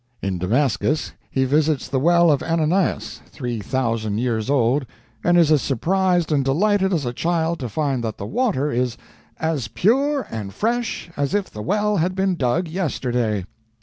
In Damascus he visits the well of Ananias, three thousand years old, and is as surprised and delighted as a child to find that the water is "as pure and fresh as if the well had been dug yesterday."